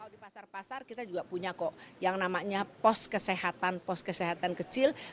kalau di pasar pasar kita juga punya kok yang namanya pos kesehatan pos kesehatan kecil